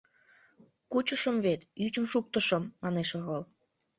— Кучышым вет, ӱчым шуктышым, — манеш орол.